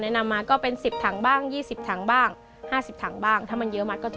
นำมาก็เป็น๑๐ถังบ้าง๒๐ถังบ้าง๕๐ถังบ้างถ้ามันเยอะมัดก็ถูก